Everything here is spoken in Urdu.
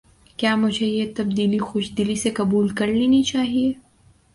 کیا مجھے یہ تبدیلی خوش دلی سے قبول کر لینی چاہیے؟